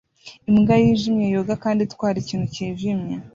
Imbwa yijimye yoga kandi itwara ikintu cyijimye